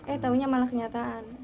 eh taunya malah kenyataan